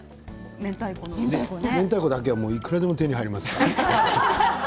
めんたいこだけはいくらでも手に入りますから。